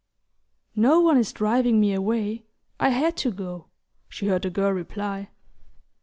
"No one is driving me away: I had to go," she heard the girl reply.